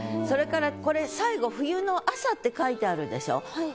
それからこれ最後「冬の朝」って書いてあるでしょ。